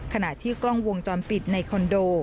ขณะที่กล้องวงจรปิดในคอนโด